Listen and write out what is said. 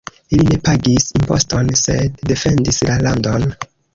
Ili ne pagis imposton, sed defendis la landon.